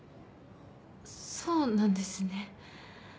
そうなんですね。